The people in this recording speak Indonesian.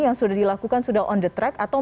yang sudah dilakukan sudah on the track atau